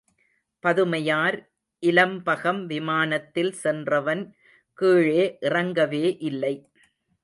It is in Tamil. பதுமையார் இலம்பகம் விமானத்தில் சென்றவன் கீழே இறங்கவே இல்லை.